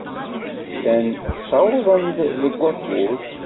Llan ttawḍen-d deg wakud.